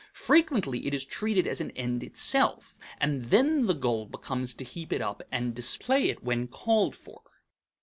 Frequently it is treated as an end itself, and then the goal becomes to heap it up and display it when called for.